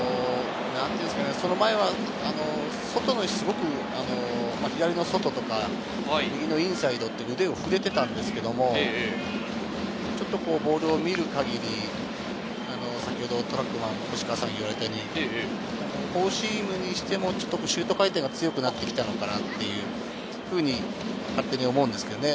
その前は、左の外とか右のインサイド、腕を振れてたんですけれど、ちょっとボールを見る限り、先ほどトラックマンの星川さんが言われたように、フォーシームにしても、ちょっとシュート回転が強くなってきたのかなっていうふうに勝手に思うんですけどね。